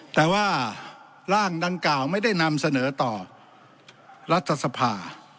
แต่ว่าร่างดังกล่าวไม่ได้นำเสนอต่อรัฐสภา